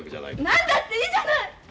何だっていいじゃない。